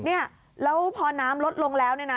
เนี่ยแล้วพอน้ำลดลงแล้วเนี่ยนะ